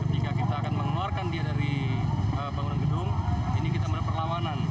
jika kita akan mengeluarkan dia dari bangunan gedung ini kita berperlawanan